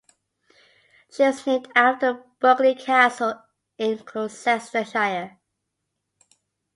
She was named after Berkeley Castle in Gloucestershire.